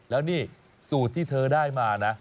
แล้วนี่สูตรที่เธอได้มานะ